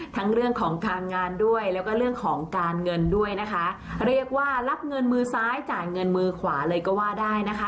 ทั้งเรื่องของการงานด้วยแล้วก็เรื่องของการเงินด้วยนะคะเรียกว่ารับเงินมือซ้ายจ่ายเงินมือขวาเลยก็ว่าได้นะคะ